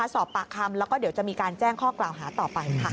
สอบปากคำแล้วก็เดี๋ยวจะมีการแจ้งข้อกล่าวหาต่อไปค่ะ